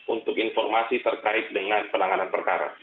untuk informasi terkait dengan penanganan perkara